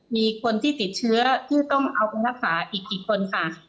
มีคนที่ติดเชื้อที่ต้องเอาไปรักษาอีกกี่คนค่ะ